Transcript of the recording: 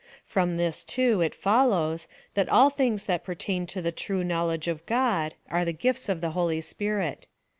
From this, too, it follows, that all things that pertain to the true knowledge of God, are the gifts of the Holy Spirit.